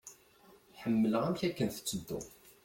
Ḥemmleɣ amek akken tettedduḍ.